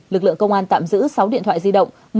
lực lượng công an tạm giữ sáu điện thoại di động